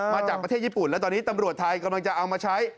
มาจากประเทศญี่ปุ่นและตอนนี้ตำรวจไทยกำลังจะเอามาใช้